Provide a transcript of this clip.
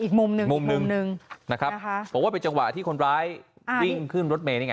อีกมุมหนึ่งมุมมุมหนึ่งนะครับบอกว่าเป็นจังหวะที่คนร้ายวิ่งขึ้นรถเมย์นี่ไง